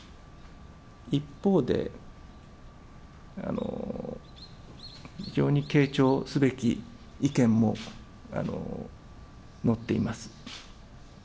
一方で、非常に傾聴すべき意見も載っています。